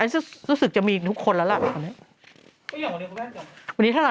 อันนี้รู้สึกจะมีทุกคนแล้วล่ะ